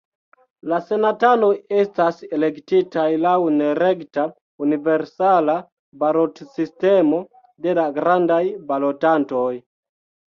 La senatanoj estas elektitaj laŭ nerekta universala balotsistemo de la grandaj balotantoj.